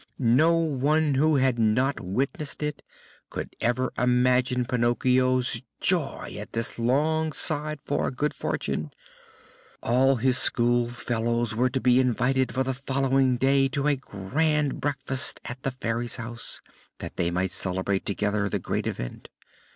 No one who had not witnessed it could ever imagine Pinocchio's joy at this long sighed for good fortune. All his school fellows were to be invited for the following day to a grand breakfast at the Fairy's house, that they might celebrate together the great event.